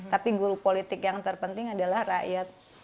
tapi guru politik yang terpenting adalah rakyat